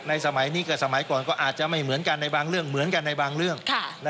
สมัยนี้กับสมัยก่อนก็อาจจะไม่เหมือนกันในบางเรื่องเหมือนกันในบางเรื่อง